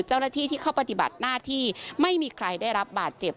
เจ้าหน้าที่ที่เข้าปฏิบัติหน้าที่ไม่มีใครได้รับบาดเจ็บ